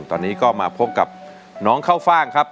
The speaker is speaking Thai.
ตอนนี้ก็มาพบกับน้องข้าวฟ่างครับ